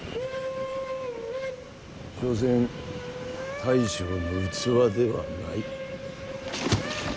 所詮大将の器ではない。